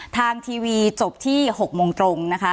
ทางทีวีจบที่๖โมงตรงนะคะ